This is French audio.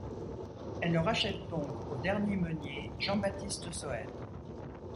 Elle le rachète donc au dernier meunier Jean-Baptiste Soete.